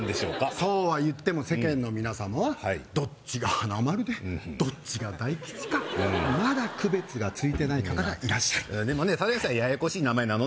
そうはいっても世間の皆様はどっちが華丸でどっちが大吉かまだ区別がついてない方がいらっしゃるでもねただでさえややこしい名前名乗っ